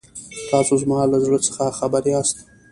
تاسو زما له زړه څخه خبر یاست.